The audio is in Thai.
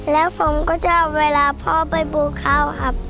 แล้วผมก็ชอบเวลาพ่อไปปลูกข้าวครับ